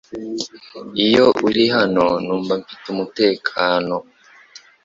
Iyo uri hano, numva mfite umutekano .